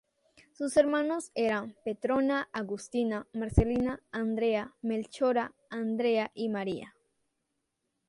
Su hermanos eran Petrona, Agustina, Marcelina, Andrea, Melchora, Andrea y Maria.